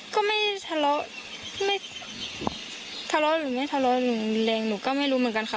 ก็ไม่ทะเลาะไม่ทะเลาะหรือไม่ทะเลาะหนูรุนแรงหนูก็ไม่รู้เหมือนกันค่ะ